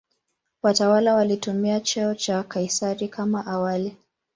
Watawala walitumia cheo cha "Kaisari" kama awali.